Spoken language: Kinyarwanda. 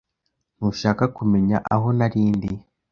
Ntushaka kumenya aho nari ndi?